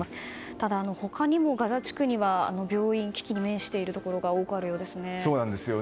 ただ他にもガザ地区には病院が危機に面しているところ多くあるそうです。